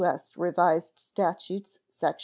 S. Revised Statutes, secs.